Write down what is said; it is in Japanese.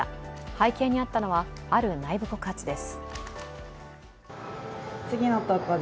背景にあったのはある内部告発です。